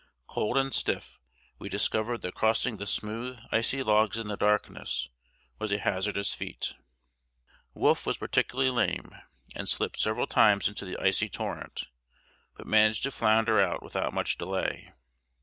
Cold and stiff, we discovered that crossing the smooth, icy logs in the darkness was a hazardous feat. Wolfe was particularly lame, and slipped several times into the icy torrent, but managed to flounder out without much delay.